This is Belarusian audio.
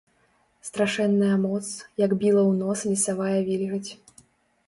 Страшэнная моц, як біла ў нос лесавая вільгаць.